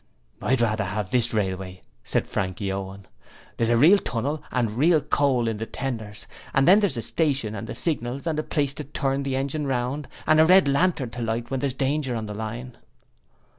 'I'd rather have this railway,' said Frankie Owen. 'There's a real tunnel and real coal in the tenders; then there's the station and the signals and a place to turn the engine round, and a red lantern to light when there's danger on the line.'